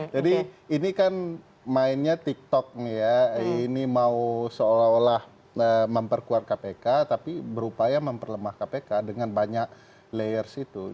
jadi ini kan mainnya tiktok ya ini mau seolah olah memperkuat kpk tapi berupaya memperlemah kpk dengan banyak layers itu